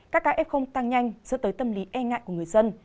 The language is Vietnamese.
các ca ép không tăng nhanh dẫn tới tâm lý e ngại của người dân